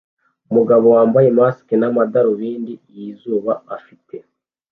Umugabo wambaye mask n'amadarubindi y'izuba afite